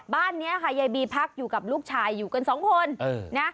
บ้านนี้ค่ะยายบีพักอยู่กับลูกชายอยู่กันสองคนนะ